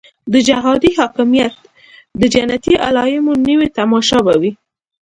د جهادي حاکمیت د جنتي علایمو نوې تماشه به وي.